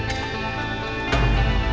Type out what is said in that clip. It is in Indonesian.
ini ini udah udah